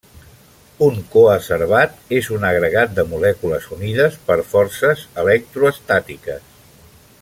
Un coacervat és un agregat de molècules unides per forces electroestàtiques.